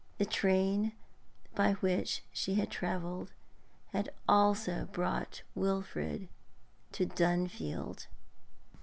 The train by which she had travelled had also brought Wilfrid to Dunfield.